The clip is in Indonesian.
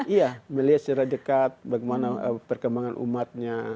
iya melihat secara dekat bagaimana perkembangan umatnya